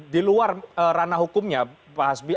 keluar ranah hukumnya pak hasbi